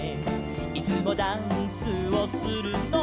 「いつもダンスをするのは」